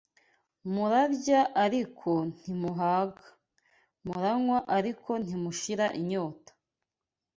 murarya ariko ntimuhaga; muranywa ariko ntimushira inyota;